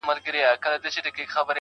حالات خراب دي مځکه ښورې مه ځه_